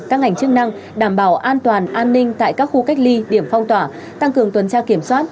các ngành chức năng đảm bảo an toàn an ninh tại các khu cách ly điểm phong tỏa tăng cường tuần tra kiểm soát